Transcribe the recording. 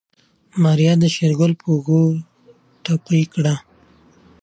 ماريا د شېرګل په اوږه ټپي کړه.